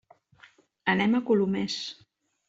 Anem a Colomers.